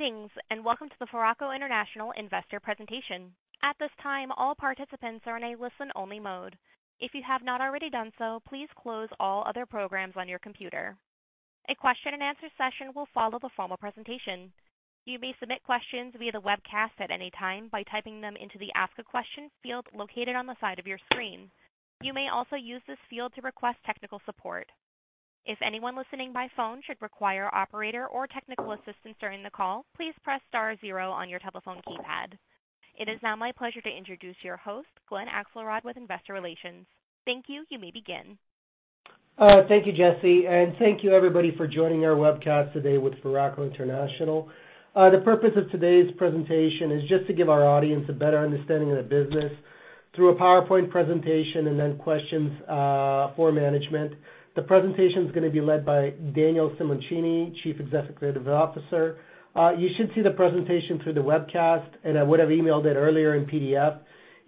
Greetings, and welcome to the Foraco International Investor Presentation. At this time, all participants are in a listen-only mode. If you have not already done so, please close all other programs on your computer. A question and answer session will follow the formal presentation. You may submit questions via the webcast at any time by typing them into the Ask a Question field located on the side of your screen. You may also use this field to request technical support. If anyone listening by phone should require operator or technical assistance during the call, please press star zero on your telephone keypad. It is now my pleasure to introduce your host, Glen Axelrod, with Investor Relations. Thank you. You may begin. Thank you, Jesse, and thank you everybody for joining our webcast today with Foraco International. The purpose of today's presentation is just to give our audience a better understanding of the business through a PowerPoint presentation, and then questions for management. The presentation is gonna be led by Daniel Simoncini, Chief Executive Officer. You should see the presentation through the webcast, and I would have emailed it earlier in PDF.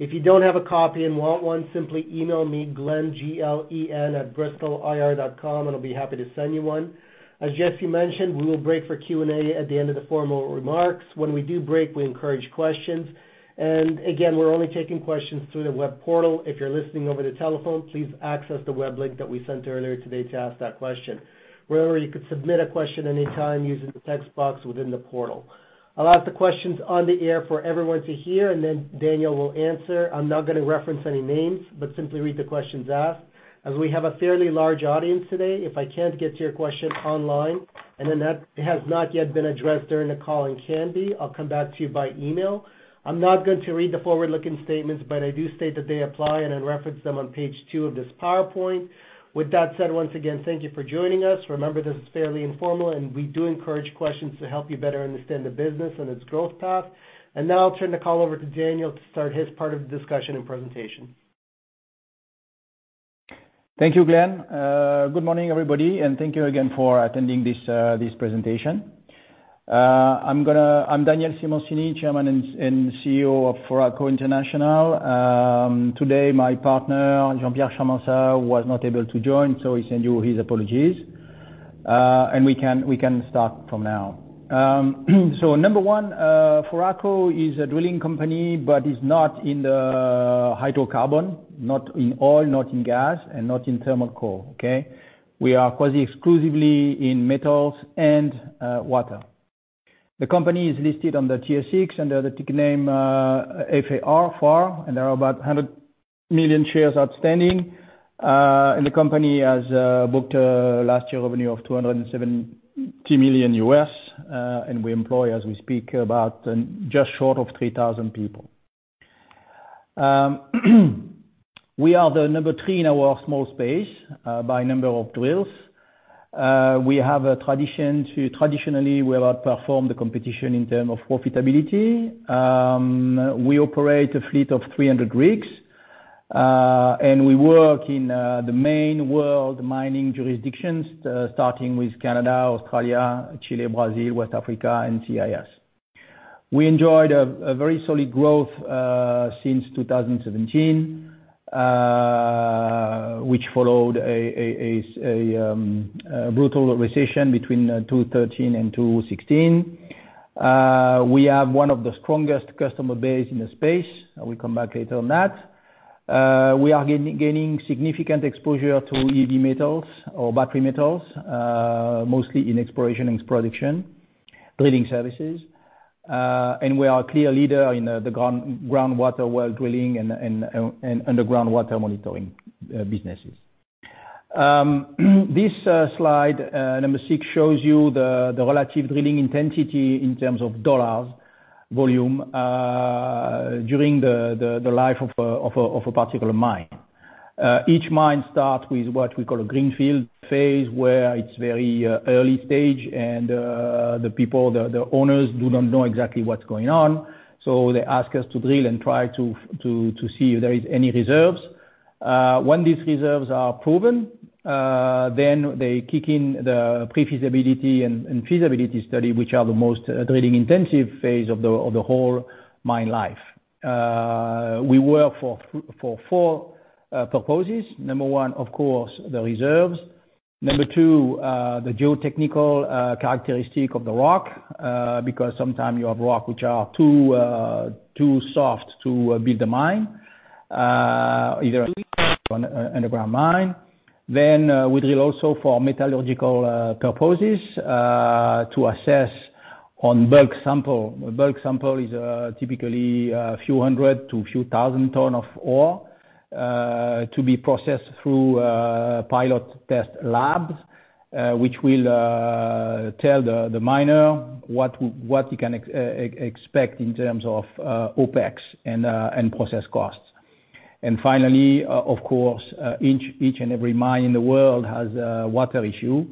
If you don't have a copy and want one, simply email me, Glen, G-L-E-N, @bristolir.com, and I'll be happy to send you one. As Jesse mentioned, we will break for Q&A at the end of the formal remarks. When we do break, we encourage questions, and again, we're only taking questions through the web portal. If you're listening over the telephone, please access the web link that we sent earlier today to ask that question. Wherever you could submit a question anytime using the text box within the portal. I'll ask the questions on the air for everyone to hear, and then Daniel will answer. I'm not gonna reference any names, but simply read the questions asked. As we have a fairly large audience today, if I can't get to your question online, and then that has not yet been addressed during the call and can be, I'll come back to you by email. I'm not going to read the forward-looking statements, but I do state that they apply and then reference them on page two of this PowerPoint. With that said, once again, thank you for joining us. Remember, this is fairly informal, and we do encourage questions to help you better understand the business and its growth path. Now I'll turn the call over to Daniel to start his part of the discussion and presentation. Thank you, Glen. Good morning, everybody, and thank you again for attending this presentation. I'm Daniel Simoncini, Chairman and CEO of Foraco International. Today, my partner, Jean-Pierre Charmensat, was not able to join, so he send you his apologies. And we can start from now. So number one, Foraco is a drilling company but is not in the hydrocarbon, not in oil, not in gas, and not in thermal coal, okay? We are quasi exclusively in metals and water. The company is listed on the TSX under the ticker name FAR, and there are about 100 million shares outstanding. And the company has booked last year revenue of $270 million, and we employ, as we speak, about just short of 3,000 people. We are the number three in our small space by number of drills. We traditionally have outperformed the competition in terms of profitability. We operate a fleet of 300 rigs, and we work in the main world mining jurisdictions, starting with Canada, Australia, Chile, Brazil, West Africa, and CIS. We enjoyed a very solid growth since 2017, which followed a brutal recession between 2013 and 2016. We have one of the strongest customer base in the space, and we'll come back later on that. We are gaining significant exposure to EV metals or battery metals, mostly in exploration and production drilling services. And we are a clear leader in the groundwater well drilling and underground water monitoring businesses. This slide number six shows you the relative drilling intensity in terms of dollars volume during the life of a particular mine. Each mine start with what we call a greenfield phase, where it's very early stage and the people, the owners do not know exactly what's going on, so they ask us to drill and try to see if there is any reserves. When these reserves are proven, then they kick in the pre-feasibility and feasibility study, which are the most drilling intensive phase of the whole mine life. We work for four purposes. Number one, of course, the reserves. Number two, the geotechnical characteristic of the rock, because sometimes you have rock which are too too soft to build a mine, either on an underground mine. Then, we drill also for metallurgical purposes, to assess on bulk sample. A bulk sample is typically a few hundred to a few thousand ton of ore, to be processed through pilot test labs, which will tell the miner what he can expect in terms of OpEx and process costs. And finally, of course, each and every mine in the world has a water issue.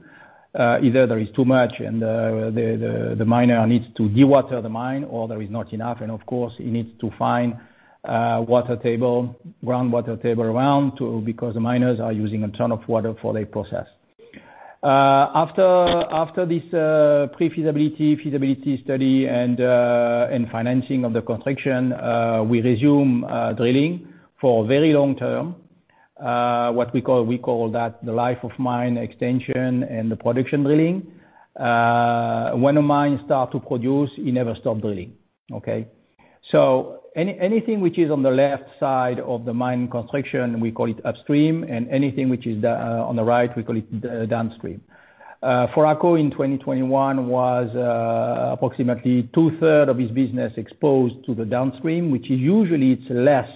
Either there is too much and the miner needs to dewater the mine, or there is not enough, and of course, he needs to find water table, groundwater table around to... Because the miners are using a ton of water for their process. After this pre-feasibility, feasibility study, and financing of the construction, we resume drilling for very long term.... what we call, we call that the life of mine extension and the production drilling. When a mine start to produce, you never stop drilling, okay? So anything which is on the left side of the mine construction, we call it upstream, and anything which is on the right, we call it the downstream. Foraco in 2021 was approximately two-thirds of its business exposed to the downstream, which is usually it's less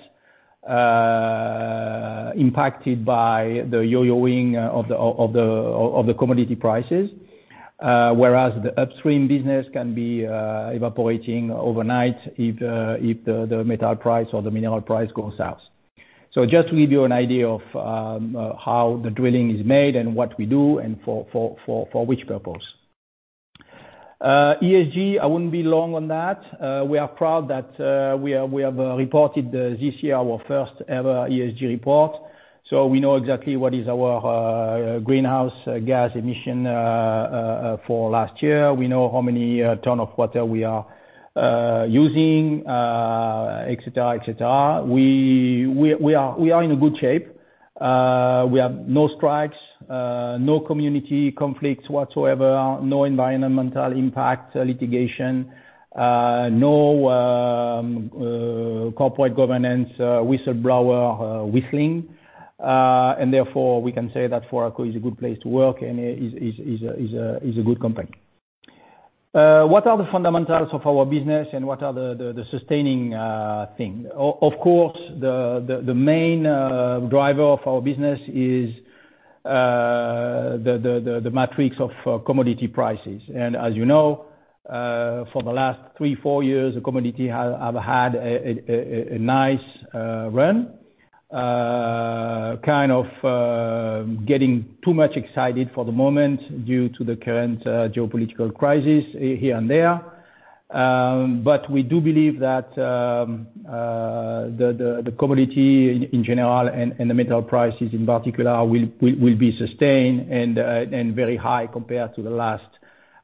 impacted by the yo-yoing of the commodity prices. Whereas the upstream business can be evaporating overnight if the metal price or the mineral price goes out. So just to give you an idea of how the drilling is made and what we do and for which purpose. ESG, I wouldn't be long on that. We are proud that we have reported this year our first ever ESG report, so we know exactly what is our greenhouse gas emission for last year. We know how many tons of water we are using, et cetera, et cetera. We are in a good shape. We have no strikes, no community conflicts whatsoever, no environmental impact litigation, no corporate governance whistleblower whistling. And therefore we can say that Foraco is a good place to work and is a good company. What are the fundamentals of our business, and what are the sustaining thing? Of course, the main driver of our business is the metrics of commodity prices. And as you know, for the last 3-4 years, the commodity have had a nice run. Kind of getting too much excited for the moment due to the current geopolitical crisis here and there. But we do believe that the commodity in general and the metal prices in particular will be sustained and very high compared to the last,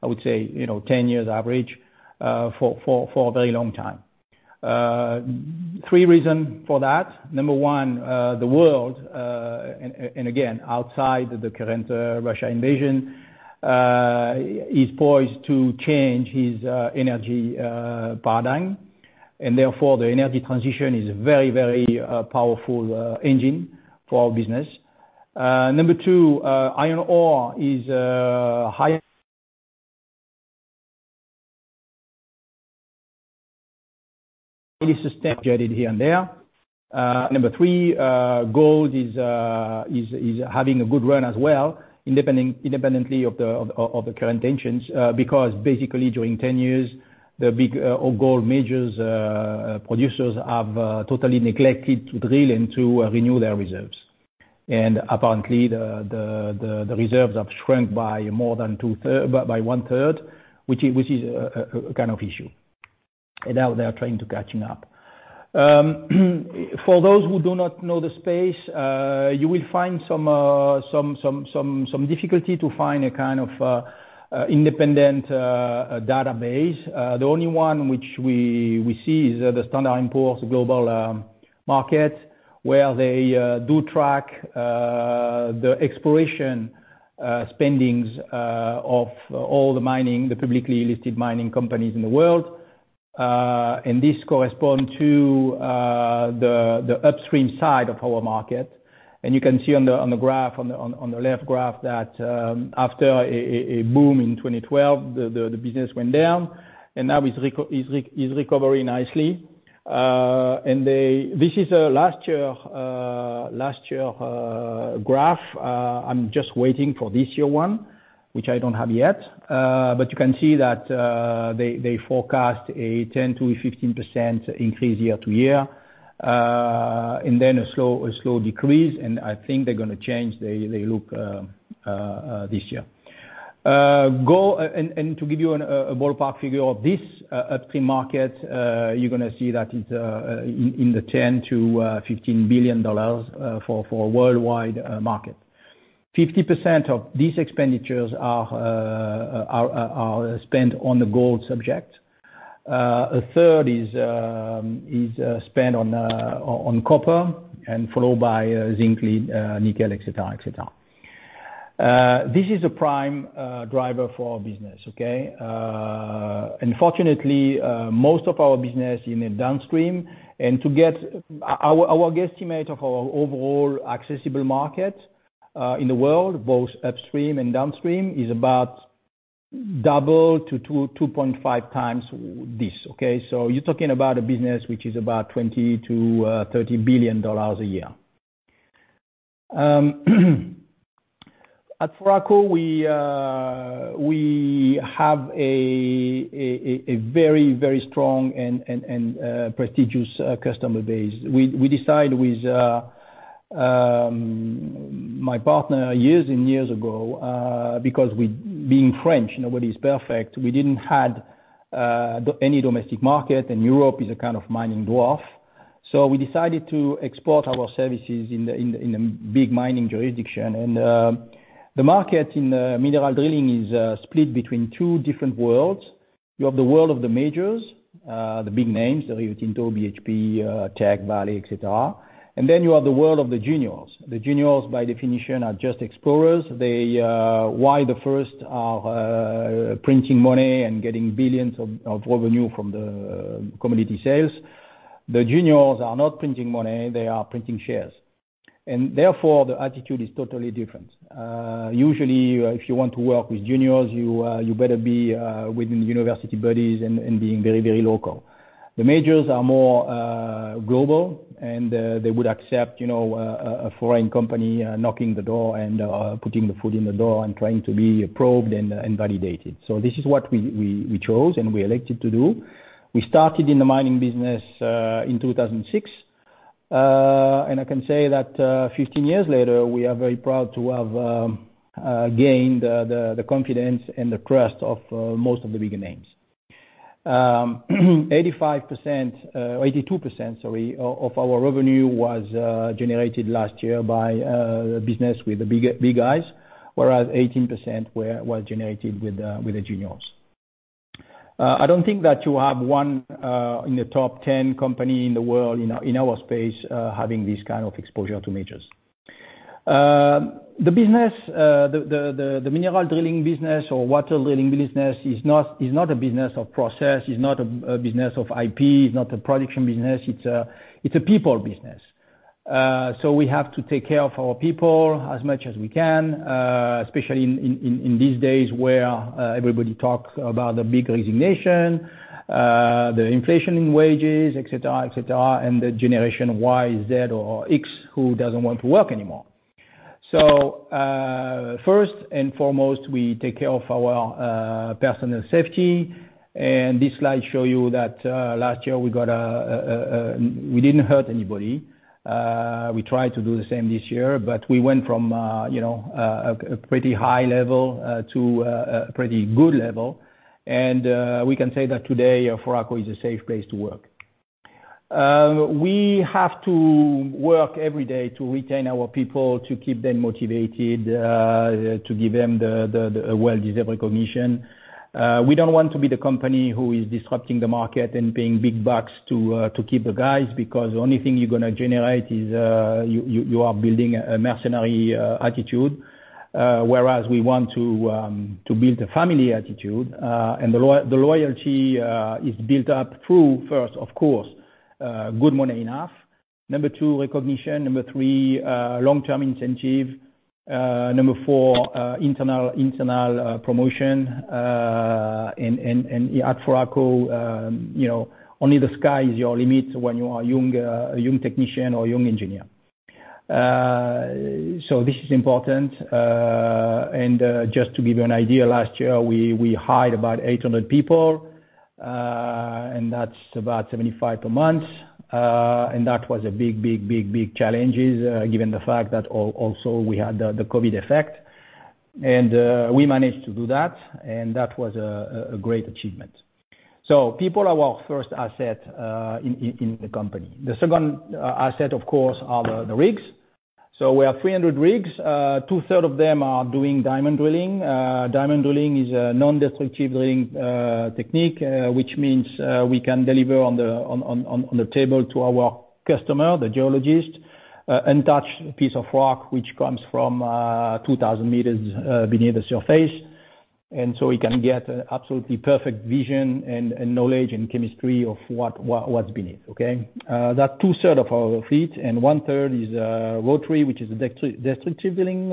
I would say, you know, 10 years average, for a very long time. Three reason for that: number one, the world, and again, outside the current Russia invasion, is poised to change its energy paradigm. And therefore, the energy transition is a very, very powerful engine for our business. Number two, iron ore is high- it is sustained here and there. Number three, gold is having a good run as well, independently of the current tensions, because basically during 10 years, the big or gold majors producers have totally neglected to drill and to renew their reserves. And apparently, the reserves have shrunk by more than two-thirds, by one third, which is a kind of issue, and now they are trying to catching up. For those who do not know the space, you will find some difficulty to find a kind of independent database. The only one which we see is the S&P Global Market Intelligence, where they do track the exploration spending of all the mining, the publicly listed mining companies in the world. This correspond to the upstream side of our market. You can see on the left graph that after a boom in 2012, the business went down, and now is recovering nicely. This is last year graph. I'm just waiting for this year one, which I don't have yet. But you can see that, they forecast a 10%-15% increase year-over-year, and then a slow decrease, and I think they're gonna change the outlook this year. And to give you a ballpark figure of this upstream market, you're gonna see that it's in the $10 billion-$15 billion for worldwide market. 50% of these expenditures are spent on the gold sector. A third is spent on copper and followed by zinc, lead, nickel, etc., etc. This is a prime driver for our business, okay? Unfortunately, most of our business in the downstream, and to get our guesstimate of our overall accessible market in the world, both upstream and downstream, is about 2-2.5 times this, okay? So you're talking about a business which is about $20 billion-$30 billion a year. At Foraco, we have a very, very strong and prestigious customer base. We decide with my partner years and years ago, because we, being French, nobody is perfect, we didn't have any domestic market, and Europe is a kind of mining dwarf. So we decided to export our services in the big mining jurisdiction. And the market in mineral drilling is split between two different worlds. You have the world of the majors, the big names, the Rio Tinto, BHP, Teck, Vale, et cetera. And then you have the world of the juniors. The juniors, by definition, are just explorers. They, while the first are printing money and getting billions of revenue from the commodity sales, the juniors are not printing money, they are printing shares. And therefore, the attitude is totally different. Usually, if you want to work with juniors, you better be within university buddies and being very, very local. The majors are more global, and they would accept, you know, a foreign company knocking the door and putting the foot in the door and trying to be approved and validated. So this is what we chose and we elected to do. We started in the mining business in 2006. I can say that 15 years later, we are very proud to have gained the confidence and the trust of most of the bigger names. 85%, 82%, sorry, of our revenue was generated last year by business with the big guys, whereas 18% was generated with the juniors. I don't think that you have one in the top 10 company in the world, in our space, having this kind of exposure to majors. The mineral drilling business or water drilling business is not a business of process, is not a business of IP, is not a production business, it's a people business. So we have to take care of our people as much as we can, especially in these days, where everybody talks about the big resignation, the inflation in wages, et cetera, et cetera, and the Generation Y, Z or X, who doesn't want to work anymore. So, first and foremost, we take care of our personal safety, and this slide shows you that, last year, we didn't hurt anybody. We tried to do the same this year, but we went from, you know, a pretty high level, to a pretty good level. And, we can say that today, Foraco is a safe place to work. We have to work every day to retain our people, to keep them motivated, to give them the well-deserved recognition. We don't want to be the company who is disrupting the market and paying big bucks to keep the guys, because the only thing you're gonna generate is you are building a mercenary attitude. Whereas we want to build a family attitude, and the loyalty is built up through first, of course, good money enough. Number two, recognition, number three, long-term incentive, number four, internal promotion, and at Foraco, you know, only the sky is your limit when you are a young technician or young engineer. So this is important, and just to give you an idea, last year, we hired about 800 people, and that's about 75 per month. And that was a big challenge, given the fact that also we had the COVID effect, and we managed to do that, and that was a great achievement. So people are our first asset in the company. The second asset, of course, are the rigs. So we have 300 rigs. Two-thirds of them are doing diamond drilling. Diamond drilling is a nondestructive drilling technique, which means we can deliver on the table to our customer, the geologist, untouched piece of rock, which comes from 2,000 meters beneath the surface. And so we can get an absolutely perfect vision and, and knowledge and chemistry of what, what, what's beneath, okay? That's two-thirds of our fleet, and one-third is rotary, which is a destructive drilling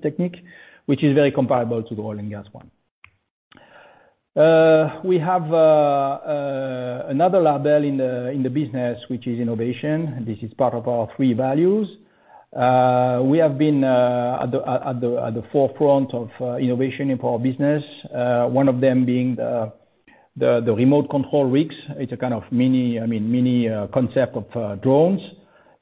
technique, which is very comparable to the oil and gas one. We have another label in the business, which is innovation. This is part of our three values. We have been at the forefront of innovation in our business. One of them being the remote control rigs. It's a kind of mini, I mean, mini concept of drones.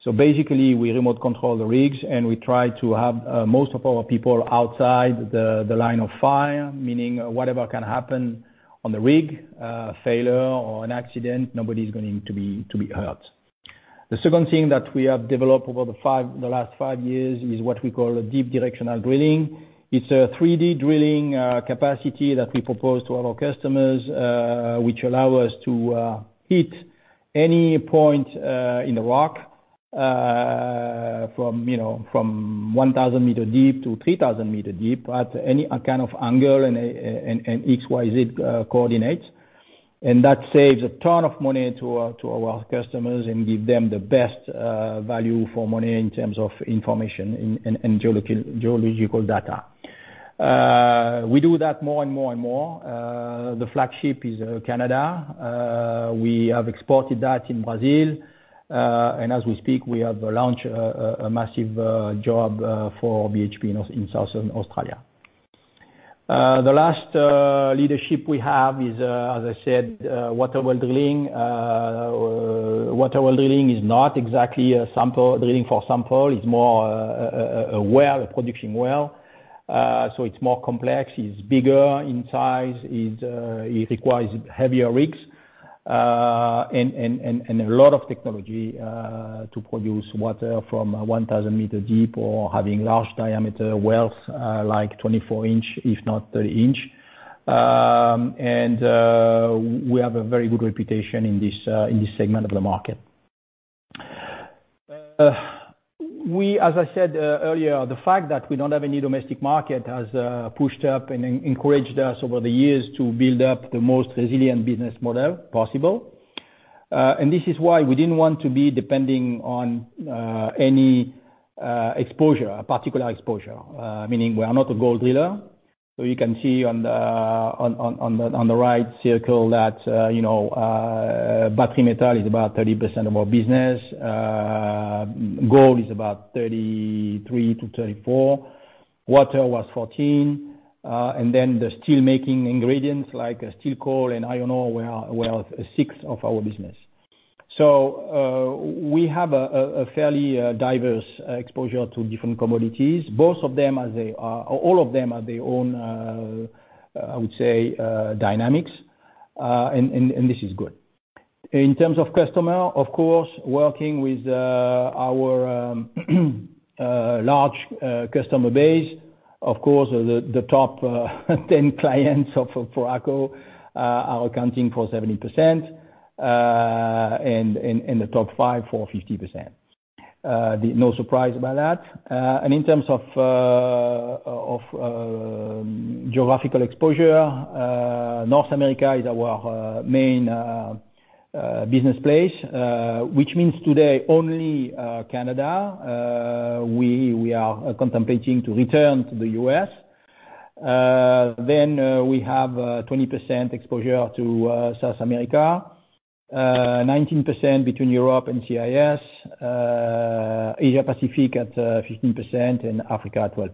So basically, we remote control the rigs, and we try to have most of our people outside the line of fire, meaning whatever can happen on the rig, failure or an accident, nobody's going to be hurt. The second thing that we have developed over the last five years is what we call Deep Directional Drilling. It's a 3D drilling capacity that we propose to our customers, which allows us to hit any point in the rock from, you know, from 1,000 meter deep to 3,000 meter deep, at any kind of angle, and X, Y, Z coordinates. And that saves a ton of money to our customers and gives them the best value for money in terms of information and geological data. We do that more and more and more. The flagship is Canada. We have exported that in Brazil, and as we speak, we have launched a massive job for BHP in southeastern Australia. The last leadership we have is, as I said, water well drilling. Water well drilling is not exactly a sample-drilling for sample. It's more a well, a production well, so it's more complex, it's bigger in size, it requires heavier rigs. And a lot of technology to produce water from 1,000-meter deep or having large diameter wells, like 24-inch, if not 30-inch. And we have a very good reputation in this segment of the market. As I said earlier, the fact that we don't have any domestic market has pushed up and encouraged us over the years to build up the most resilient business model possible. And this is why we didn't want to be depending on any exposure, a particular exposure, meaning we are not a gold driller. So you can see on the right circle that, you know, battery metal is about 30% of our business. Gold is about 33%-34%, water was 14%, and then the steelmaking ingredients like steel coal and iron ore were a sixth of our business. So, we have a fairly diverse exposure to different commodities, all of them have their own, I would say, dynamics, and this is good. In terms of customer, of course, working with our large customer base, of course, the top 10 clients of Foraco are accounting for 70%, and the top five for 50%. No surprise about that. In terms of geographical exposure, North America is our main business place, which means today, only Canada. We are contemplating to return to the U.S. Then we have 20% exposure to South America, 19% between Europe and CIS, Asia Pacific at 15%, and Africa at 12%.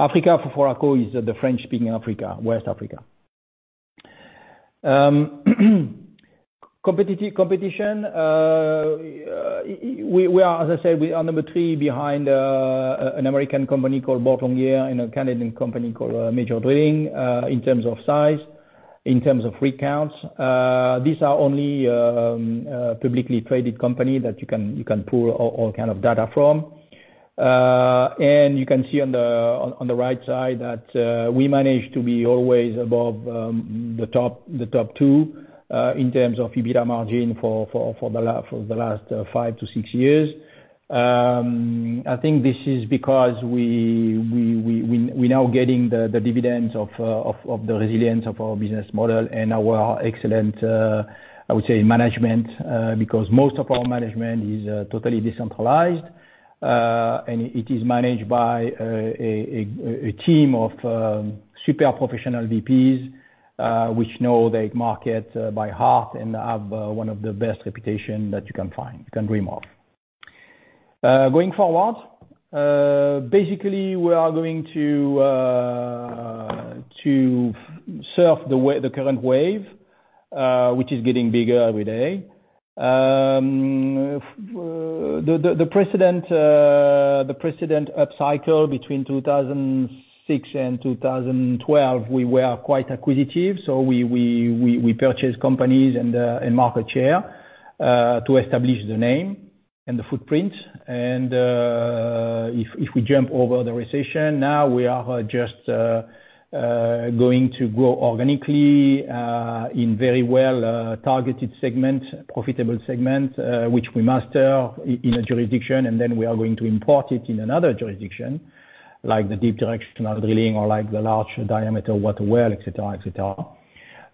Africa, for Foraco, is the French-speaking Africa, West Africa. Competition, we are, as I said, we are number three behind an American company called Boart Longyear and a Canadian company called Major Drilling, in terms of size, in terms of revenue. These are only publicly traded company that you can pull all kind of data from. And you can see on the right side that we manage to be always above the top two in terms of EBITDA margin for the last five to six years. I think this is because we now getting the dividends of the resilience of our business model and our excellent, I would say, management, because most of our management is totally decentralized. And it is managed by a team of super professional VPs, which know their market by heart and have one of the best reputation that you can find, you can dream of. Going forward, basically, we are going to surf the current wave, which is getting bigger every day. The precedent upcycle between 2006 and 2012, we were quite acquisitive, so we purchased companies and market share to establish the name and the footprint. If we jump over the recession, now we are just going to grow organically in very well targeted segment, profitable segment, which we master in a jurisdiction, and then we are going to import it in another jurisdiction, like the deep directional drilling or like the large diameter water well, et cetera, et cetera.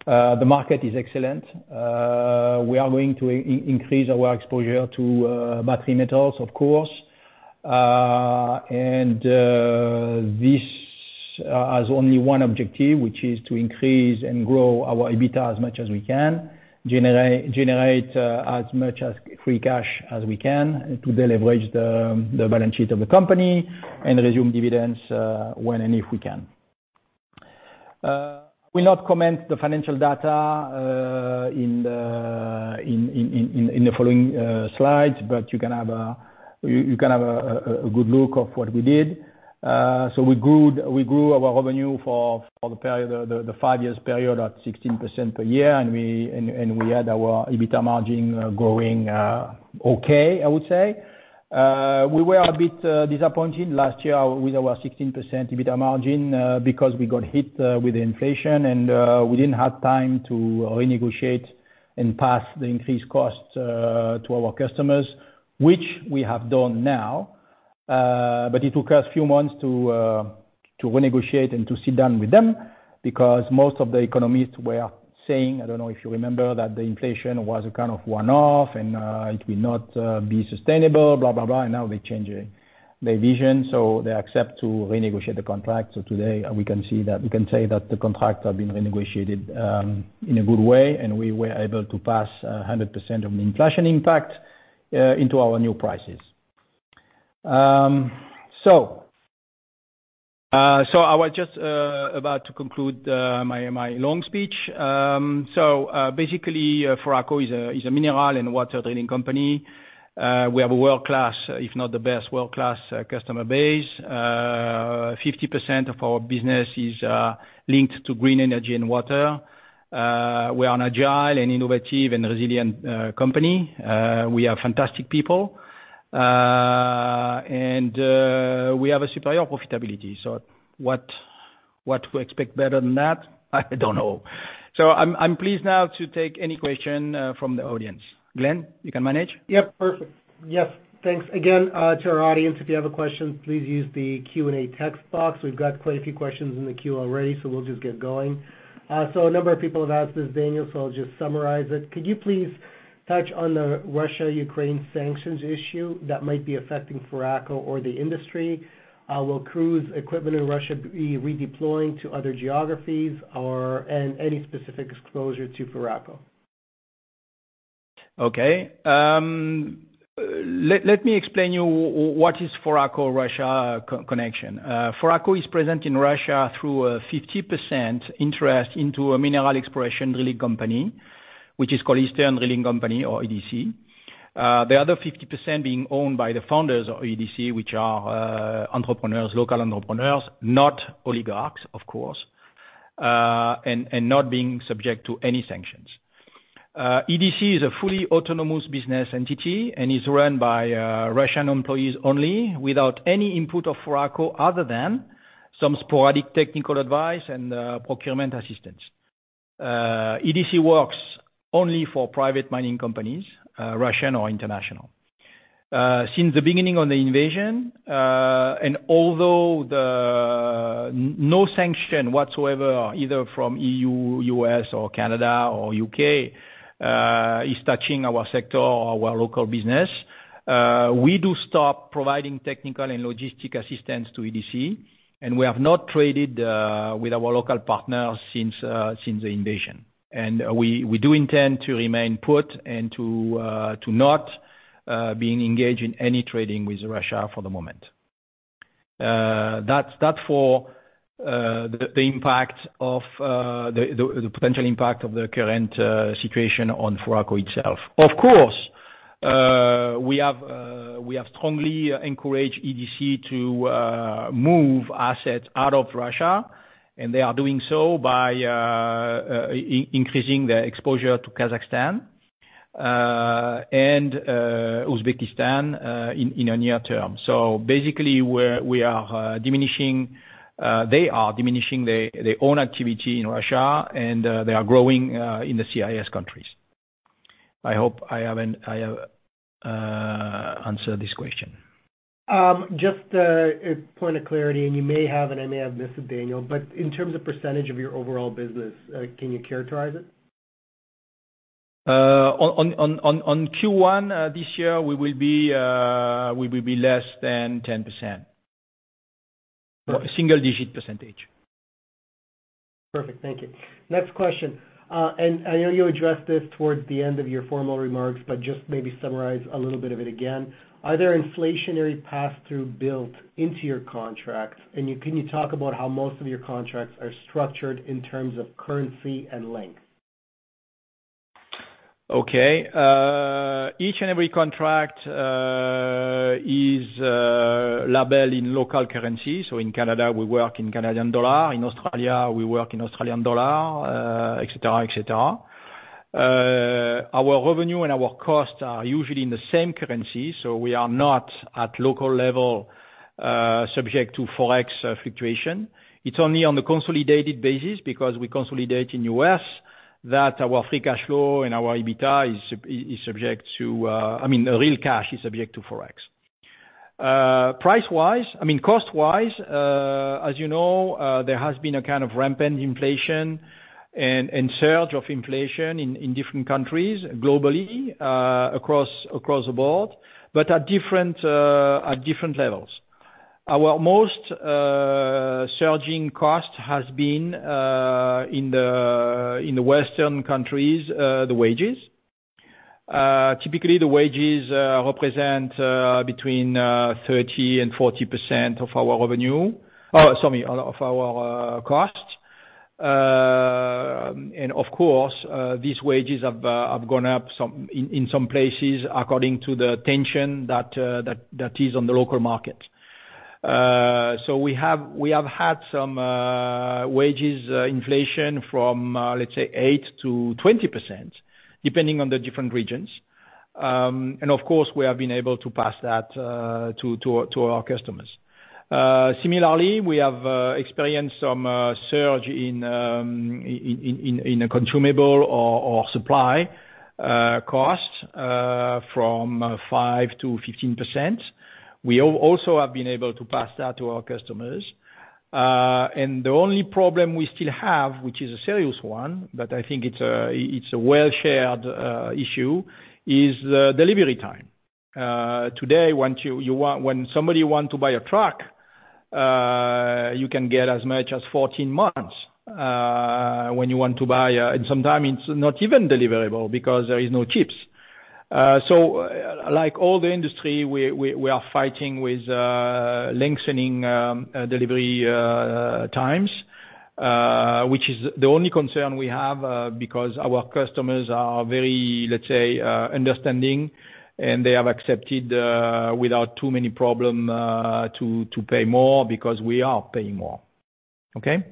The market is excellent. We are going to increase our exposure to battery metals, of course. And this has only one objective, which is to increase and grow our EBITDA as much as we can. Generate as much free cash as we can to deleverage the balance sheet of the company, and resume dividends when and if we can. We not comment the financial data in the following slides, but you can have a good look of what we did. So we grew our revenue for the five years period at 16% per year, and we had our EBITDA margin growing, okay, I would say. We were a bit disappointed last year with our 16% EBITDA margin because we got hit with inflation, and we didn't have time to renegotiate and pass the increased costs to our customers, which we have done now. But it took us a few months to renegotiate and to sit down with them, because most of the economists were saying, I don't know if you remember, that the inflation was a kind of one-off, and it will not be sustainable, blah, blah, blah, and now they're changing their vision, so they accept to renegotiate the contract. So today, we can see that we can say that the contract have been renegotiated in a good way, and we were able to pass 100% of inflation impact into our new prices. So I was just about to conclude my long speech. So basically, Foraco is a mineral and water drilling company. We have a world-class, if not the best world-class, customer base. 50% of our business is linked to green energy and water. We are an agile and innovative and resilient company. We have fantastic people... and we have a superior profitability. So what we expect better than that? I don't know. So I'm pleased now to take any question from the audience. Glen, you can manage? Yep. Perfect. Yes. Thanks again to our audience, if you have a question, please use the Q&A text box. We've got quite a few questions in the queue already, so we'll just get going. So a number of people have asked this, Daniel, so I'll just summarize it: Could you please touch on the Russia-Ukraine sanctions issue that might be affecting Foraco or the industry? Will drilling equipment in Russia be redeploying to other geographies or and any specific exposure to Foraco? Okay. Let me explain you what is Foraco-Russia connection. Foraco is present in Russia through a 50% interest into a mineral exploration drilling company, which is called Eastern Drilling Company, or EDC. The other 50% being owned by the founders of EDC, which are entrepreneurs, local entrepreneurs, not oligarchs, of course, and not being subject to any sanctions. EDC is a fully autonomous business entity and is run by Russian employees only, without any input of Foraco, other than some sporadic technical advice and procurement assistance. EDC works only for private mining companies, Russian or international. Since the beginning of the invasion, and although the... No sanction whatsoever, either from EU, U.S., or Canada or U.K., is touching our sector or our local business. We do stop providing technical and logistic assistance to EDC, and we have not traded with our local partners since the invasion. We do intend to remain put and to not being engaged in any trading with Russia for the moment. That's for the potential impact of the current situation on Foraco itself. Of course, we have strongly encouraged EDC to move assets out of Russia, and they are doing so by increasing their exposure to Kazakhstan and Uzbekistan in the near term. So basically, they are diminishing their own activity in Russia, and they are growing in the CIS countries. I hope I have answered this question. Just a point of clarity, and you may have, and I may have missed it, Daniel, but in terms of percentage of your overall business, can you characterize it? On Q1 this year, we will be less than 10%. A single-digit percentage. Perfect. Thank you. Next question. I know you addressed this towards the end of your formal remarks, but just maybe summarize a little bit of it again. Are there inflationary pass-through built into your contracts? And can you talk about how most of your contracts are structured in terms of currency and length? Okay. Each and every contract is labeled in local currency. So in Canada, we work in Canadian dollar. In Australia, we work in Australian dollar, et cetera, et cetera. Our revenue and our costs are usually in the same currency, so we are not, at local level, subject to Forex fluctuation. It's only on the consolidated basis, because we consolidate in U.S., that our free cash flow and our EBITDA is subject to, I mean, the real cash is subject to Forex. Price-wise, I mean, cost-wise, as you know, there has been a kind of rampant inflation and surge of inflation in different countries globally, across the board, but at different levels. Our most surging cost has been in the Western countries, the wages. Typically, the wages represent between 30% and 40% of our revenue—sorry, of our costs. And of course, these wages have gone up some in some places, according to the tension that is on the local market. So we have had some wages inflation from 8%-20%, depending on the different regions. And of course, we have been able to pass that to our customers. Similarly, we have experienced some surge in consumable or supply costs from 5%-15%. We also have been able to pass that to our customers. The only problem we still have, which is a serious one, but I think it's a well-shared issue, is the delivery time. Today, when somebody wants to buy a truck, you can get as much as 14 months when you want to buy, and sometimes it's not even deliverable because there is no chips. So like all the industry, we are fighting with lengthening delivery times, which is the only concern we have, because our customers are very, let's say, understanding, and they have accepted without too many problems to pay more, because we are paying more. Okay?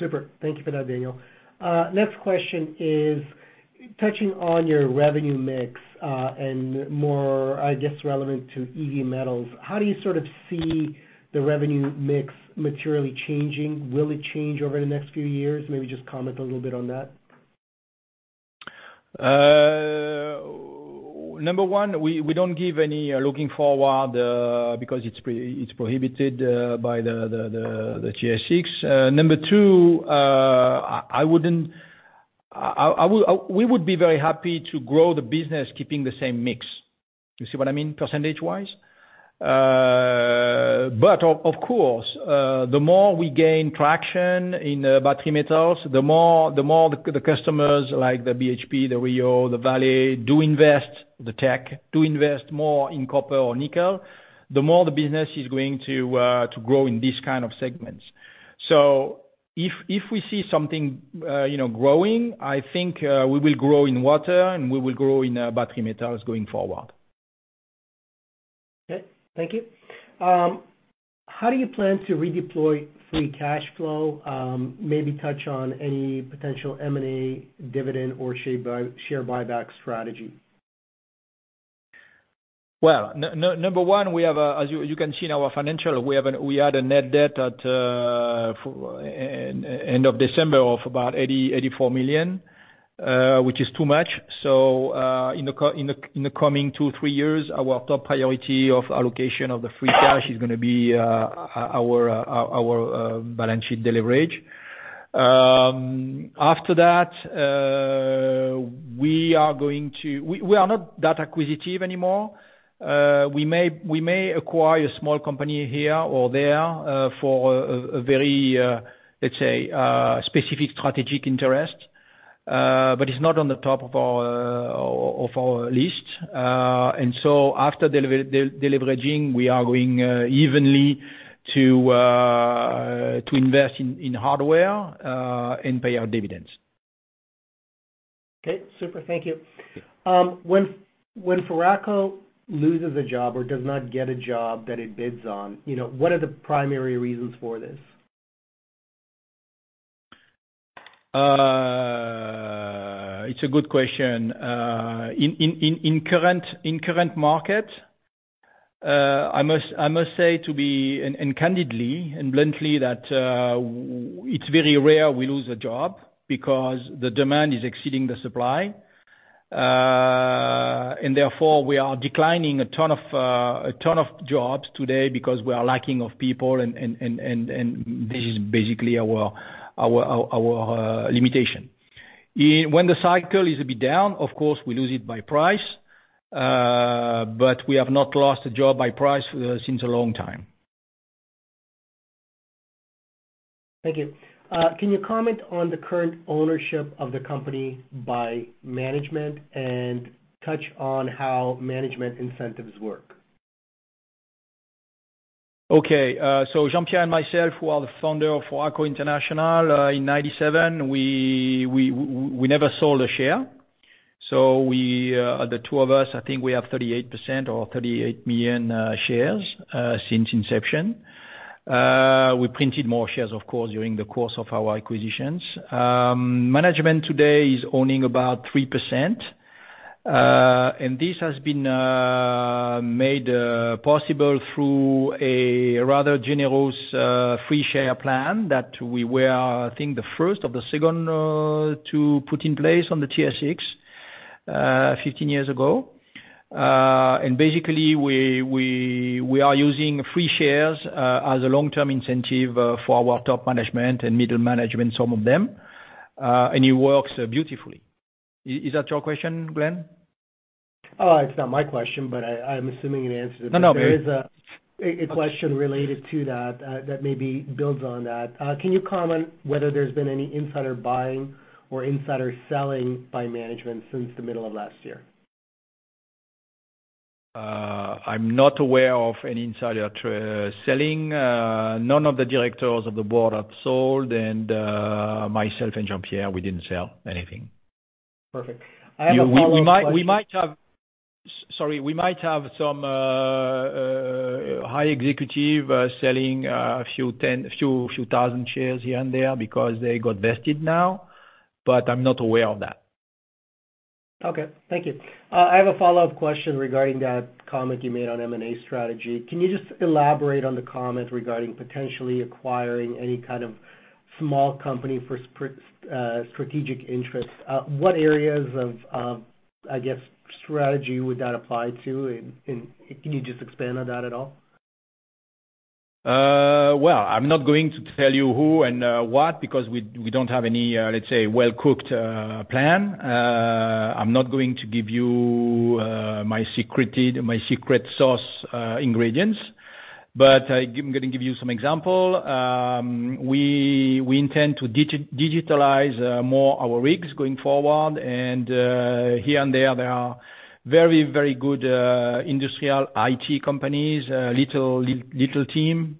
Super. Thank you for that, Daniel. Next question is touching on your revenue mix, and more, I guess, relevant to EV Metals. How do you sort of see the revenue mix materially changing? Will it change over the next few years? Maybe just comment a little bit on that. Number one, we don't give any looking forward because it's prohibited by the TSX. Number two, I wouldn't, we would be very happy to grow the business, keeping the same mix. You see what I mean, percentage wise? But of course, the more we gain traction in battery metals, the more the customers like the BHP, the Rio, the Vale do invest, the Teck do invest more in copper or nickel, the more the business is going to grow in these kind of segments. So if we see something, you know, growing, I think we will grow in water, and we will grow in battery metals going forward. Okay, thank you. How do you plan to redeploy free cash flow? Maybe touch on any potential M&A dividend or share buyback strategy. Well, number one, we have a, as you can see in our financial, we had a net debt at end of December of about $84 million, which is too much. So, in the coming 2-3 years, our top priority of allocation of the free cash is gonna be our balance sheet deleverage. After that, we are going to... We are not that acquisitive anymore. We may acquire a small company here or there for a very, let's say, specific strategic interest. But it's not on the top of our list. And so after deleveraging, we are going evenly to invest in hardware and pay our dividends. Okay, super. Thank you. When, when Foraco loses a job or does not get a job that it bids on, you know, what are the primary reasons for this? It's a good question. In current market, I must say, to be candidly and bluntly, that it's very rare we lose a job because the demand is exceeding the supply. And therefore, we are declining a ton of jobs today because we are lacking of people and this is basically our limitation. When the cycle is a bit down, of course, we lose it by price, but we have not lost a job by price since a long time. Thank you. Can you comment on the current ownership of the company by management, and touch on how management incentives work? Okay. So Jean-Pierre and myself, who are the founder of Foraco International, in 1997, we never sold a share. So we, the two of us, I think we have 38% or 38 million shares since inception. We printed more shares, of course, during the course of our acquisitions. Management today is owning about 3%, and this has been made possible through a rather generous free share plan that we were, I think, the first or the second to put in place on the TSX 15 years ago. And basically, we are using free shares as a long-term incentive for our top management and middle management, some of them, and it works beautifully. Is that your question, Glen? It's not my question, but I'm assuming you answered it. No, no- There is a question related to that, that maybe builds on that. Can you comment whether there's been any insider buying or insider selling by management since the middle of last year? I'm not aware of any insider selling. None of the directors of the board have sold, and myself and Jean-Pierre, we didn't sell anything. Perfect. I have a follow-up question- We might have... Sorry, we might have some high executive selling a few thousand shares here and there because they got vested now, but I'm not aware of that. Okay, thank you. I have a follow-up question regarding that comment you made on M&A strategy. Can you just elaborate on the comment regarding potentially acquiring any kind of small company for strategic interests? What areas of strategy would that apply to, I guess? And can you just expand on that at all? Well, I'm not going to tell you who and what, because we don't have any, let's say, well-cooked plan. I'm not going to give you my secret sauce ingredients, but I'm gonna give you some example. We intend to digitalize more our rigs going forward, and here and there, there are very, very good industrial IT companies, little team.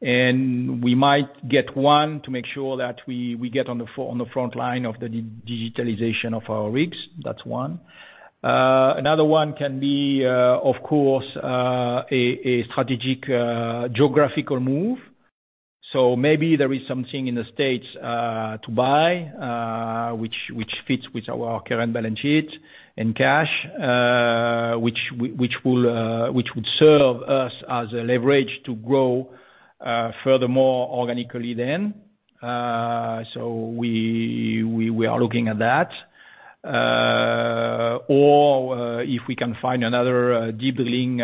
And we might get one to make sure that we get on the front line of the digitalization of our rigs. That's one. Another one can be, of course, a strategic geographical move. So maybe there is something in the States to buy, which fits with our current balance sheet and cash, which would serve us as a leverage to grow furthermore, organically then. So we are looking at that. Or if we can find another deep drilling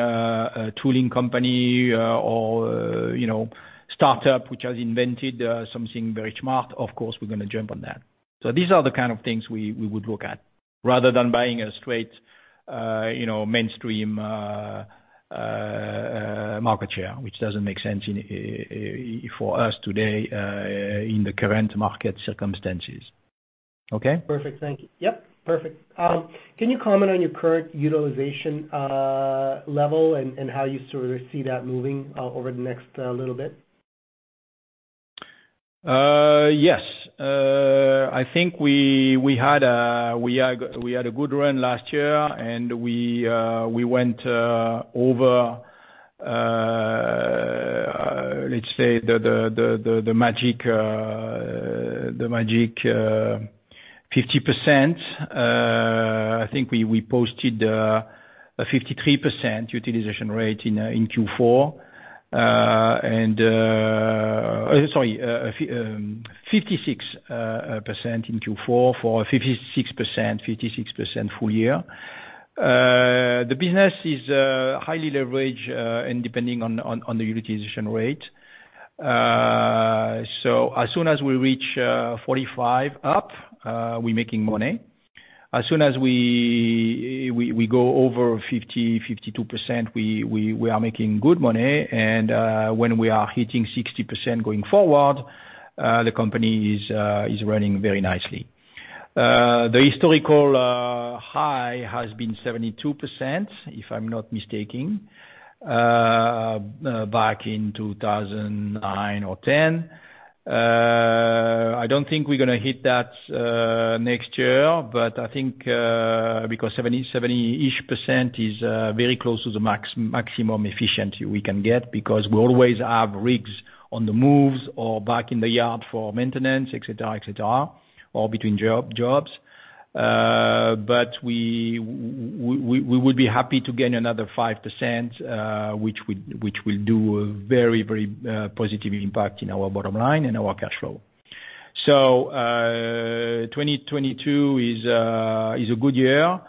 tooling company, or you know, startup, which has invented something very smart, of course, we're gonna jump on that. So these are the kind of things we would look at, rather than buying a straight you know, mainstream market share, which doesn't make sense in for us today in the current market circumstances. Okay? Perfect. Thank you. Yep, perfect. Can you comment on your current utilization level, and how you sort of see that moving over the next little bit? Yes. I think we had a good run last year, and we went over, let's say, the magic 50%. I think we posted a 53% utilization rate in Q4. And... Sorry, 56% in Q4, 56% full year. The business is highly leveraged and depending on the utilization rate. So as soon as we reach 45 up, we're making money. As soon as we go over 50%, 52%, we are making good money, and when we are hitting 60% going forward, the company is running very nicely. The historical high has been 72%, if I'm not mistaking, back in 2009 or 2010. I don't think we're gonna hit that next year, but I think, because 70, 70-ish% is very close to the maximum efficiency we can get, because we always have rigs on the moves or back in the yard for maintenance, et cetera, et cetera, or between jobs. But we would be happy to gain another 5%, which would, which will do a very, very positive impact in our bottom line and our cash flow. So, 2022 is a good year.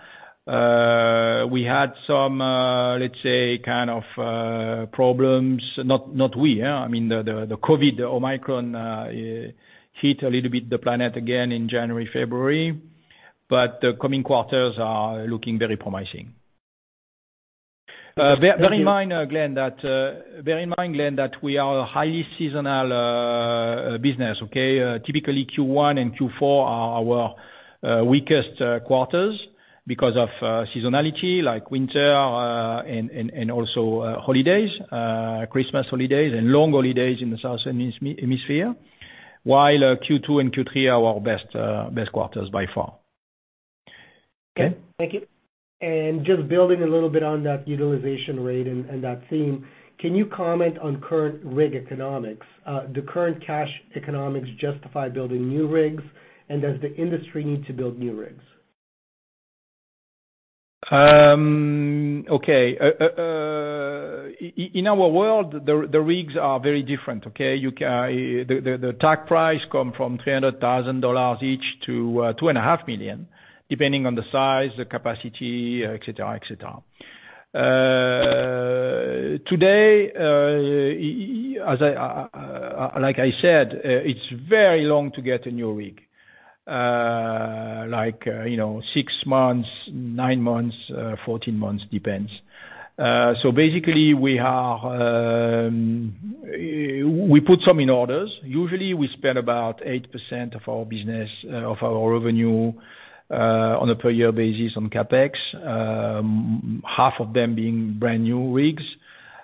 We had some, let's say, kind of problems, not we. Yeah, I mean, the COVID Omicron hit a little bit the planet again in January, February, but the coming quarters are looking very promising. Thank you. Bear in mind, Glen, that we are a highly seasonal business, okay? Typically, Q1 and Q4 are our weakest quarters because of seasonality, like winter, and also holidays, Christmas holidays and long holidays in the southern hemisphere. While Q2 and Q3 are our best quarters by far. Okay? Thank you. And just building a little bit on that utilization rate and that theme, can you comment on current rig economics? The current cash economics justify building new rigs, and does the industry need to build new rigs? Okay. In our world, the rigs are very different, okay? You can... The price tag comes from $300,000 each to $2.5 million, depending on the size, the capacity, et cetera, et cetera. Today, as I said, it's very long to get a new rig. Like, you know, six months, nine months, 14 months, depends. So basically, we put some in orders. Usually, we spend about 8% of our business of our revenue on a per year basis on CapEx, half of them being brand-new rigs.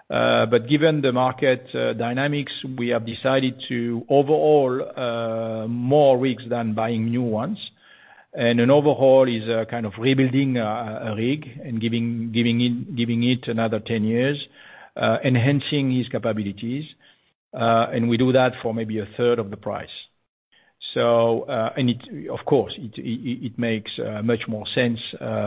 But given the market dynamics, we have decided to overhaul more rigs than buying new ones. An overhaul is a kind of rebuilding a rig and giving it another 10 years, enhancing its capabilities, and we do that for maybe a third of the price. So, and it makes much more sense,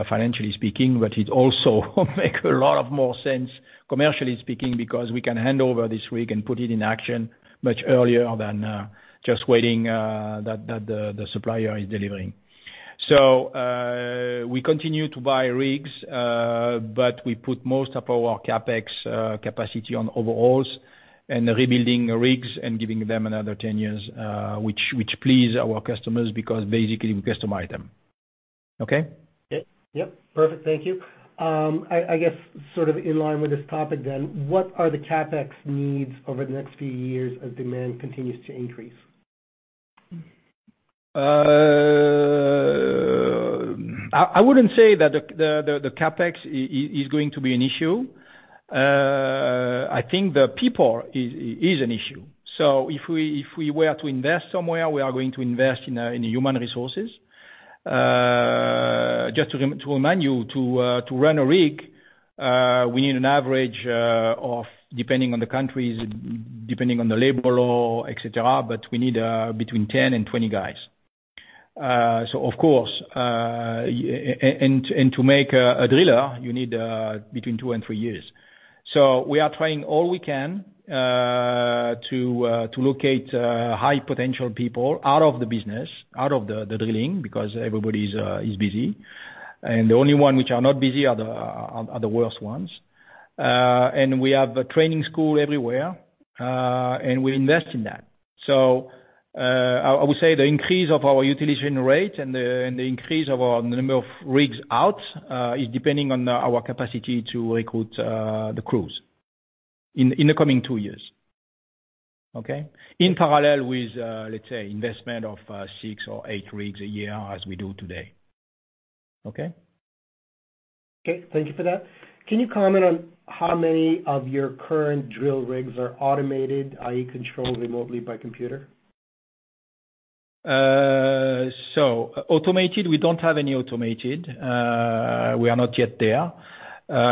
financially speaking, but it also make a lot of more sense commercially speaking, because we can hand over this rig and put it in action much earlier than just waiting the supplier is delivering. So, we continue to buy rigs, but we put most of our CapEx capacity on overhauls and rebuilding the rigs and giving them another 10 years, which please our customers, because basically, we customize them. Okay? Yep. Yep, perfect, thank you. I guess, sort of in line with this topic then, what are the CapEx needs over the next few years as demand continues to increase? I wouldn't say that the CapEx is going to be an issue. I think the people is an issue. So if we were to invest somewhere, we are going to invest in human resources. Just to remind you, to run a rig, we need an average of depending on the countries, depending on the labor law, et cetera, but we need between 10 and 20 guys. So of course, to make a driller, you need betweent two and three years. So we are trying all we can to locate high potential people out of the business, out of the drilling, because everybody is busy, and the only one which are not busy are the worst ones. And we have a training school everywhere, and we invest in that. So I would say the increase of our utilization rate and the increase of our number of rigs out is depending on our capacity to recruit the crews in the coming two years. Okay? In parallel with, let's say, investment of six or eight rigs a year as we do today. Okay? Okay, thank you for that. Can you comment on how many of your current drill rigs are automated, i.e., controlled remotely by computer? So automated, we don't have any automated. We are not yet there.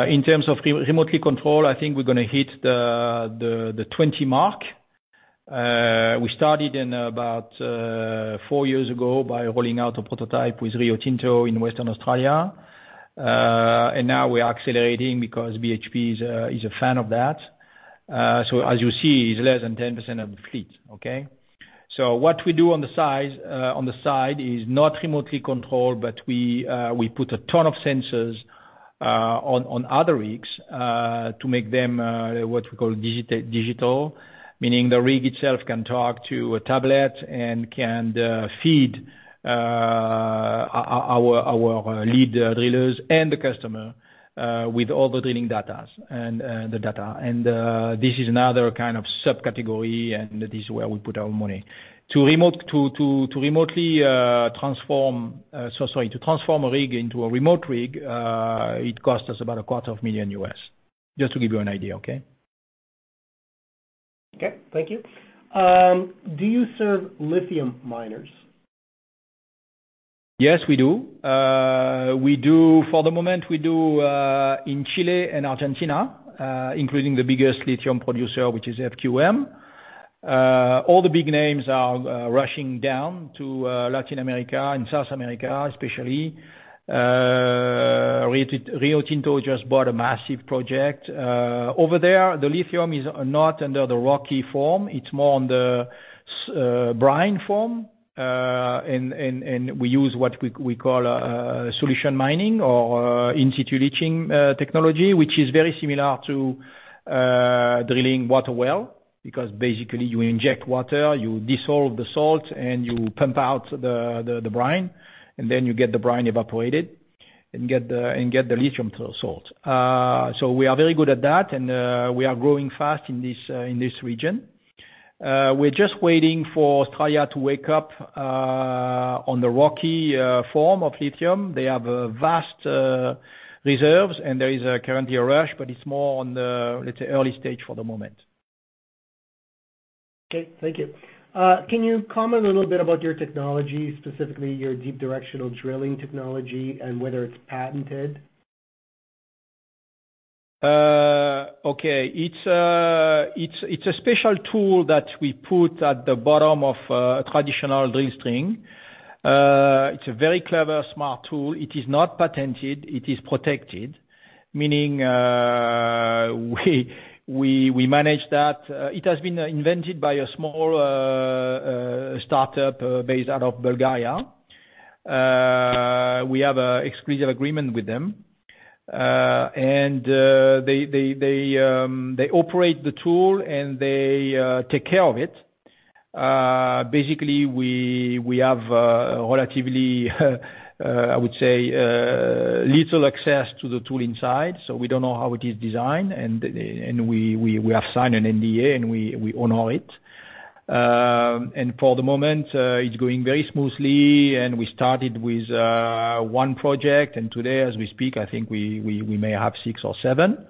In terms of remotely controlled, I think we're gonna hit the 20 mark. We started in about four years ago by rolling out a prototype with Rio Tinto in Western Australia. And now we're accelerating because BHP is a fan of that. So as you see, it's less than 10% of the fleet, okay? So what we do on the side, on the side, is not remotely controlled, but we put a ton of sensors on other rigs to make them what we call digital, meaning the rig itself can talk to a tablet and can feed our lead drillers and the customer with all the drilling data and the data. This is another kind of subcategory, and this is where we put our money. To remotely transform a rig into a remote rig, it costs us about $250,000, just to give you an idea, okay? Okay, thank you. Do you serve lithium miners? Yes, we do. We do, for the moment, we do, in Chile and Argentina, including the biggest lithium producer, which is SQM. All the big names are rushing down to Latin America and South America, especially. Rio Tinto just bought a massive project. Over there, the lithium is not under the rocky form, it's more on the brine form. And we use what we call solution mining or in-situ leaching technology, which is very similar to drilling water well, because basically you inject water, you dissolve the salt, and you pump out the brine, and then you get the brine evaporated, and get the lithium salt. So we are very good at that, and we are growing fast in this region. We're just waiting for Australia to wake up on the hard rock form of lithium. They have vast reserves, and there is currently a rush, but it's more on the, let's say, early stage for the moment. Okay, thank you. Can you comment a little bit about your technology, specifically your Deep Directional Drilling technology, and whether it's patented? Okay. It's a special tool that we put at the bottom of a traditional drill string. It's a very clever, smart tool. It is not patented, it is protected, meaning we manage that. It has been invented by a small startup based out of Bulgaria. We have a exclusive agreement with them, and they operate the tool, and they take care of it. Basically, we have relatively, I would say, little access to the tool inside, so we don't know how it is designed, and we have signed an NDA, and we honor it. For the moment, it's going very smoothly, and we started with one project, and today as we speak, I think we may have six or seven.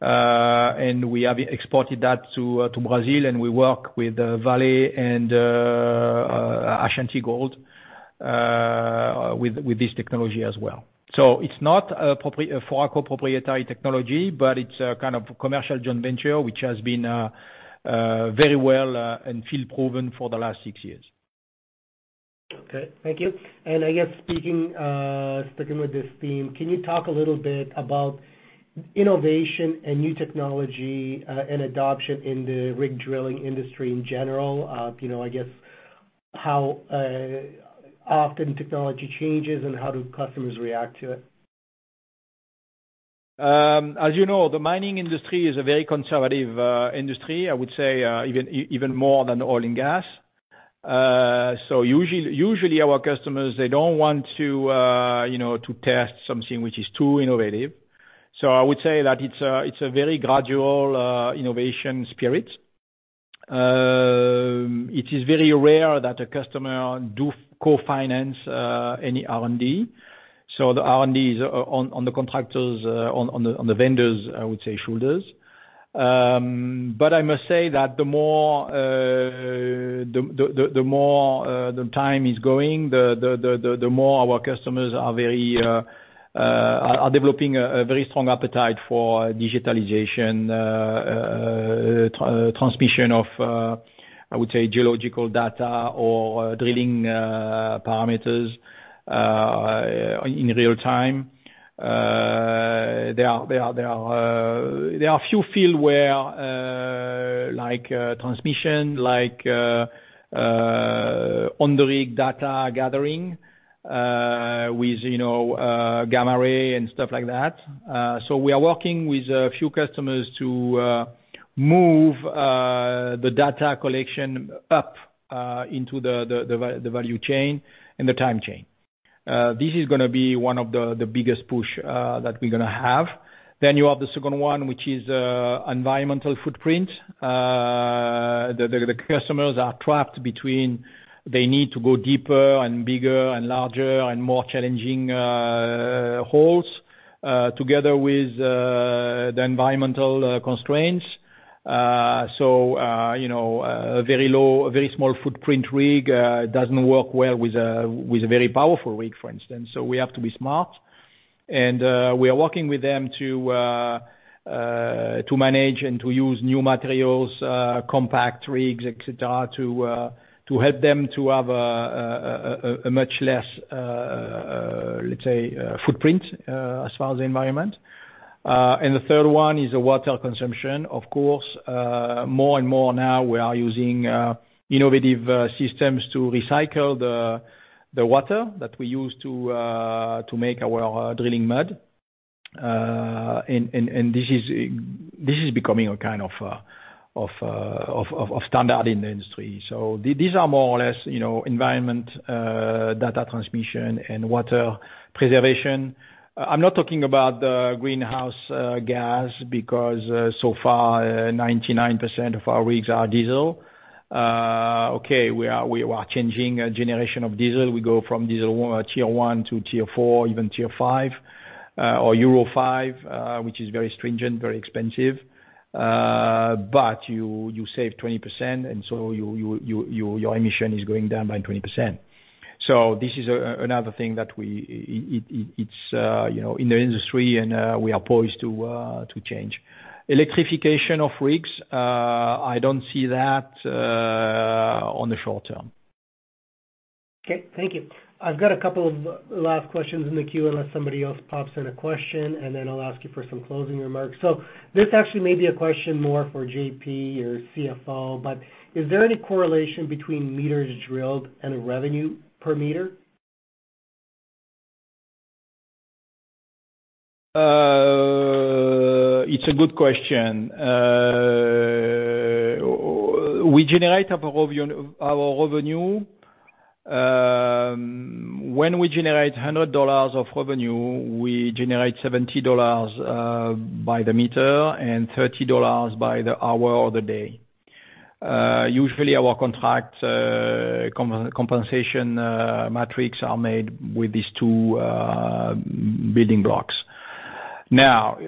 And we have exported that to Brazil, and we work with Vale and AngloGold Ashanti with this technology as well. So it's not a proprietary for our proprietary technology, but it's a kind of commercial joint venture, which has been very well and field proven for the last six years. Okay, thank you. And I guess speaking, sticking with this theme, can you talk a little bit about innovation and new technology, and adoption in the rig drilling industry in general? You know, I guess, how often technology changes and how do customers react to it? As you know, the mining industry is a very conservative industry, I would say, even more than oil and gas. So usually our customers, they don't want to, you know, to test something which is too innovative. So I would say that it's a, it's a very gradual innovation spirit. It is very rare that a customer do co-finance any R&D, so the R&D is on the contractors, on the vendors, I would say, shoulders. But I must say that the more the time is going, the more our customers are developing a very strong appetite for digitalization, transmission of, I would say, geological data or drilling parameters, in real time. There are a few fields where, like, transmission like on the rig data gathering, with you know, gamma ray and stuff like that. So we are working with a few customers to move the data collection up into the value chain and the time chain. This is gonna be one of the biggest pushes that we're gonna have. Then you have the second one, which is environmental footprint. The customers are trapped between, they need to go deeper and bigger and larger and more challenging holes together with the environmental constraints. So you know, a very low, a very small footprint rig doesn't work well with a very powerful rig, for instance. So we have to be smart, and we are working with them to manage and to use new materials, compact rigs, et cetera, to help them to have a much less, let's say, footprint as far as the environment. And the third one is the water consumption. Of course, more and more now we are using innovative systems to recycle the water that we use to make our drilling mud. And this is becoming a kind of standard in the industry. So these are more or less, you know, environment data transmission and water preservation. I'm not talking about the greenhouse gas, because so far, 99% of our rigs are diesel. Okay, we are changing a generation of diesel. We go from diesel Tier 1 to Tier 4, even Tier 5 or Euro 5, which is very stringent, very expensive, but you save 20%, and so your emission is going down by 20%. So this is another thing that we, it's, you know, in the industry, and we are poised to change. Electrification of rigs, I don't see that on the short term. Okay, thank you. I've got a couple of last questions in the queue, unless somebody else pops in a question, and then I'll ask you for some closing remarks. So this actually may be a question more for JP, your CFO, but is there any correlation between meters drilled and revenue per meter? It's a good question. We generate our revenue, our revenue, when we generate $100 of revenue, we generate $70 by the meter and $30 by the hour or the day. Usually, our contract compensation metrics are made with these two building blocks. Now,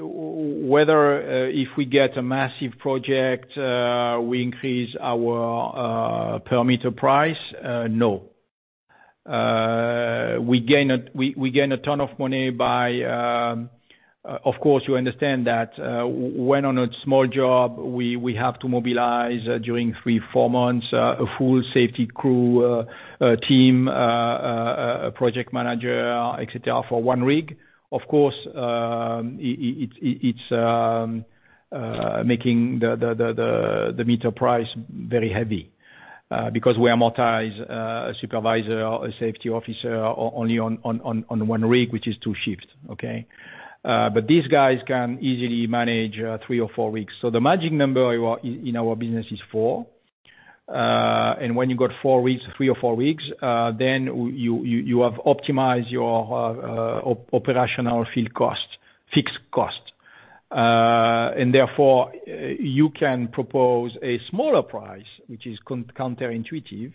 whether if we get a massive project, we increase our per meter price, no. We gain a, we, we gain a ton of money by, of course, you understand that, when on a small job, we, we have to mobilize during 3-4 months, a full safety crew, team, a project manager, et cetera, for one rig. Of course, it's making the meter price very heavy, because we amortize a supervisor, a safety officer only on one rig, which is two shifts, okay? But these guys can easily manage three or four weeks. So the magic number in our business is four, and when you got four weeks, three or four weeks, then you have optimized your operational field cost, fixed cost. And therefore, you can propose a smaller price, which is counterintuitive,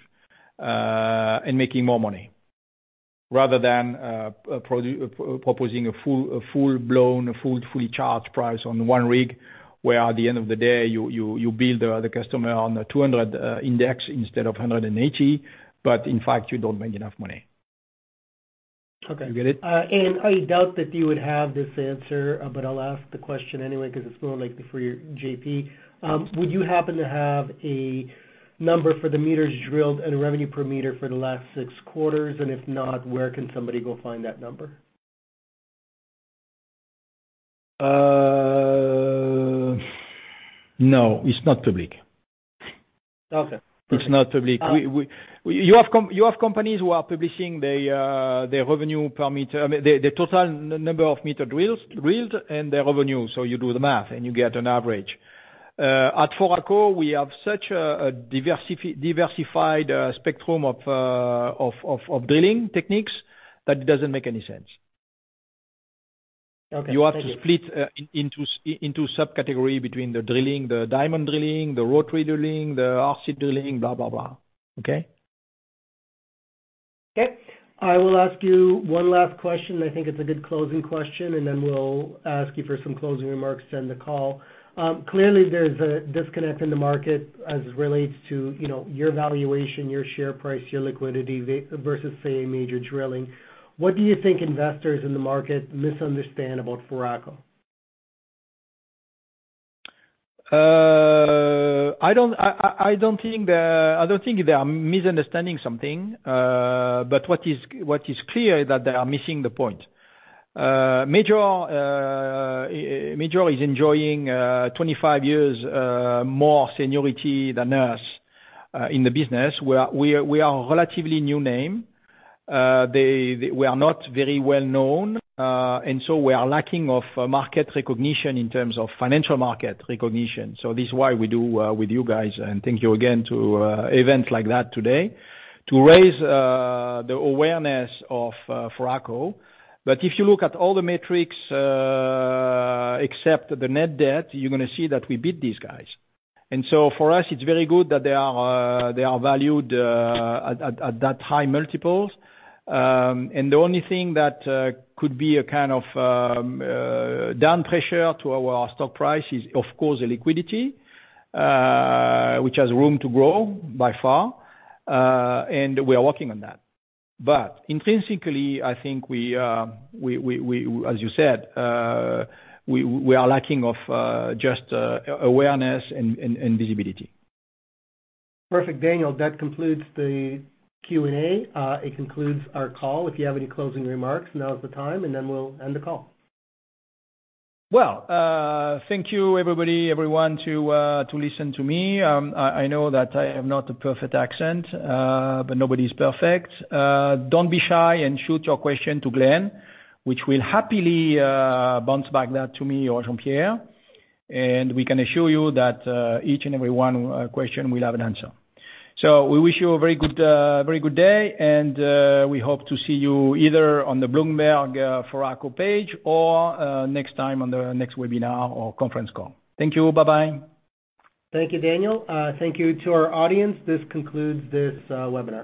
and making more money, rather than proposing a full-blown, fully charged price on one rig, where at the end of the day, you bill the customer on a 200 index instead of 180, but in fact, you don't make enough money. Okay. You get it? And I doubt that you would have this answer, but I'll ask the question anyway, because it's more like for JP. Would you happen to have a number for the meters drilled and revenue per meter for the last six quarters? And if not, where can somebody go find that number? No, it's not public. Okay. It's not public. Uh- You have companies who are publishing their revenue per meter, I mean, the total number of meters drilled and their revenue, so you do the math, and you get an average. At Foraco, we have such a diversified spectrum of drilling techniques that it doesn't make any sense. Okay. You have to split into subcategory between the drilling, the diamond drilling, the rotary drilling, the RC drilling, blah, blah, blah, okay? Okay, I will ask you one last question, and I think it's a good closing question, and then we'll ask you for some closing remarks to end the call. Clearly, there's a disconnect in the market as it relates to, you know, your valuation, your share price, your liquidity, versus, say, Major Drilling. What do you think investors in the market misunderstand about Foraco? I don't think they are misunderstanding something, but what is clear is that they are missing the point. Major is enjoying 25 years more seniority than us in the business, where we are, we are a relatively new name. We are not very well known, and so we are lacking of market recognition in terms of financial market recognition. So this is why we do with you guys, and thank you again to events like that today, to raise the awareness of Foraco. But if you look at all the metrics, except the net debt, you're gonna see that we beat these guys. And so for us, it's very good that they are they are valued at that high multiples. And the only thing that could be a kind of down pressure to our stock price is, of course, the liquidity which has room to grow by far and we are working on that. But intrinsically, I think we as you said we are lacking of just awareness and visibility. Perfect, Daniel. That concludes the Q&A. It concludes our call. If you have any closing remarks, now is the time, and then we'll end the call. Well, thank you everybody, everyone, to, to listen to me. I know that I am not a perfect accent, but nobody's perfect. Don't be shy and shoot your question to Glen, which we'll happily, bounce back that to me or Jean-Pierre, and we can assure you that, each and every one, question will have an answer. So we wish you a very good, very good day, and, we hope to see you either on the Bloomberg, Foraco page, or, next time on the next webinar or conference call. Thank you. Bye-bye. Thank you, Daniel. Thank you to our audience. This concludes this webinar.